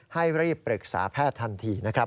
ให้รีบปรึกษาแพทย์ทันทีนะครับ